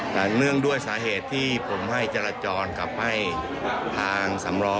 แต่เนื่องด้วยสาเหตุที่ผมให้จรจรกับให้ทางสำรอง